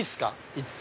行って。